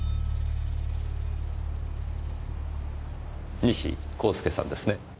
西康介さんですね？